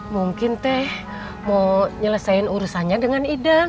mungkin teh mau nyelesain urusannya dengan ida